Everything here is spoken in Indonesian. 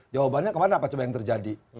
jawabannya kemana apa coba yang terjadi